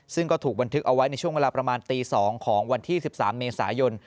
ซึ่งก็ถูกบันทึกเอาไว้ในช่วงเวลาประมาณตี๒ของวันที่๑๓เมษายน